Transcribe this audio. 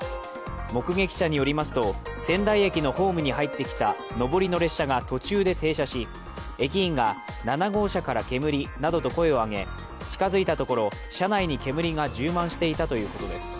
目撃者によりますと、仙台駅のホームに入ってきた上りの列車が途中で停車し、駅員が７号車から煙などと声を上げ近づいたところ車内に煙が充満していたということです。